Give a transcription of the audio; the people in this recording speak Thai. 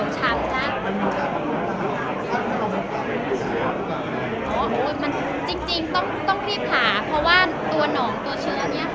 จริงต้องขึ้นขี่ป่าเพราะว่าหนองเชื้อ